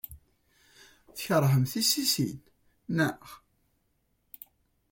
Tkeṛhem tissisin, naɣ?